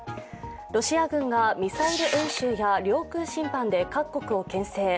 ロシア軍がミサイル演習や領空侵犯で各国をけん制。